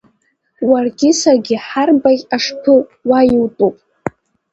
Уаргьы саргьы ҳарбаӷь ашԥы уа иутәуп!